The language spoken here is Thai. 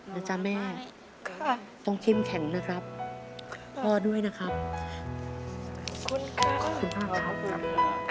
นะจ๊ะแม่ต้องขึ้นแข็งนะครับพ่อด้วยนะครับขอบคุณค่ะขอบคุณค่ะ